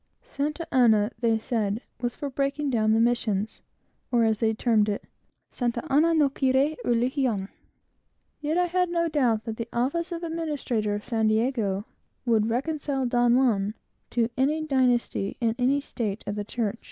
Santa Ana, they said, was for breaking down the missions; or, as they termed it "Santa Ana no quiere religion." Yet I had no doubt that the office of administrador of San Diego would reconcile Don Juan to any dynasty, and any state of the church.